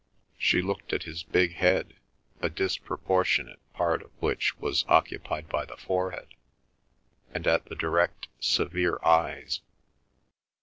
She looked at his big head, a disproportionate part of which was occupied by the forehead, and at the direct, severe eyes.